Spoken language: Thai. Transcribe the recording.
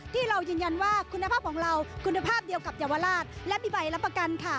ที่เรายืนยันว่าคุณภาพของเราคุณภาพเดียวกับเยาวราชและมีใบรับประกันค่ะ